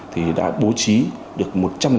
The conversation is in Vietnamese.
thì đã bố trí được một trăm linh